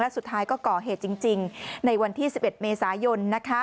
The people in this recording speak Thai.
สุดท้ายก็ก่อเหตุจริงในวันที่๑๑เมษายน